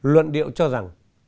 luận điệu cho rằng